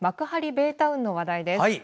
ベイタウンの話題です。